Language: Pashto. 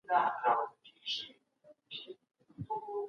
آیا د مسمومیت ضد ټول درمل په بازار کې په اسانۍ پیدا کیږي؟